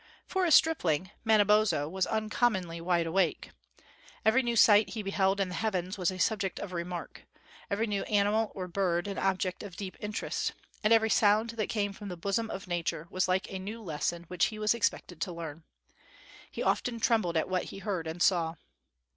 For a stripling, Manabozho was uncommonly wideawake. Every new sight he beheld in the heavens was a subject of remark; every new animal or bird, an object of deep interest; and every sound that came from the bosom of nature was like a new lesson which he was expected to learn. He often trembled at what he heard and saw.